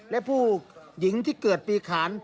และผู้หญิงที่เกิดปีขาน